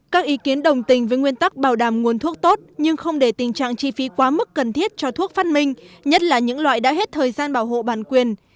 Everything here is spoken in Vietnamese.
các ý kiến đồng tình với nguyên tắc bảo đảm nguồn thuốc tốt nhưng không để tình trạng chi phí quá mức cần thiết cho thuốc phát minh nhất là những loại đã hết thời gian bảo hộ bản quyền